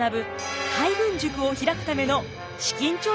海軍塾を開くための資金調達でした。